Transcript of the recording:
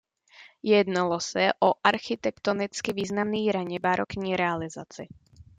Jednalo se o architektonicky významný raně barokní realizaci.